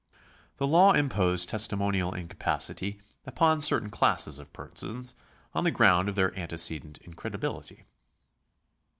The law imposed testimonial incapacity upon certain classes of persons on the ground of their antecedent incredibility.